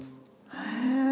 へえ。